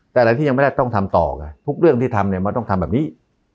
แต่อะไรที่ยังไม่ได้ต้องทำต่อไงทุกเรื่องที่ทำเนี่ยมันต้องทำแบบนี้